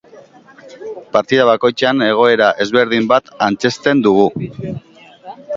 Partida bakoitzean egoera ezberdin bat antzezten dugu.